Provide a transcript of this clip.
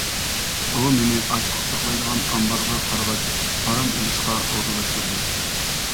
ئۇ مېنى ئاشلىق ساقلايدىغان ئامبارغا قارىغاچ ئارام ئېلىشقا ئورۇنلاشتۇردى.